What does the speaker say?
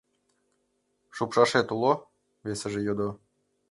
— Шупшашет уло? — весыже йодо.